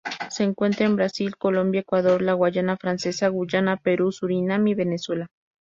Se encuentra en Brasil, Colombia, Ecuador, la Guayana francesa, Guyana, Perú, Surinam y Venezuela.